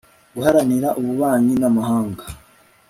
guharanira ububanyi n'amahanga